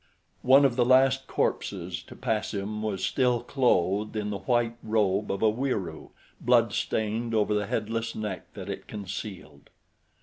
One of the last corpses to pass him was still clothed in the white robe of a Wieroo, blood stained over the headless neck that it concealed.